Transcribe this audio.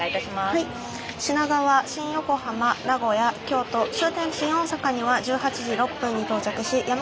はい品川新横浜名古屋京都終点新大阪には１８時６分に到着し山側の扉が開きます。